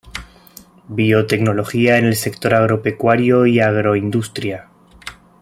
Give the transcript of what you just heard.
Biotecnología en el Sector Agropecuario y Agroindustria.